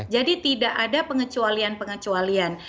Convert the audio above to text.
jadi tidak ada pengecualian pengecualian